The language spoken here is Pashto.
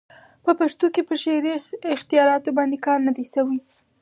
په پښتو کښي پر شعري اختیاراتو باندي کار نه دئ سوى.